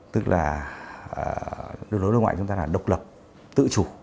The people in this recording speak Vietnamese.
tức là đối với đối ngoại chúng ta là độc lập tự chủ